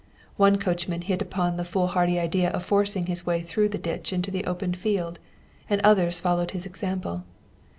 One coachman hit upon the foolhardy idea of forcing his way through the ditch into the open field, and others followed his example.